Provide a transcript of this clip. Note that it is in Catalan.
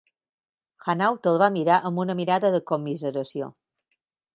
Hanaud el va mirar amb una mirada de commiseració.